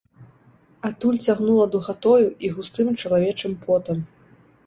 Адтуль цягнула духатою і густым чалавечым потам.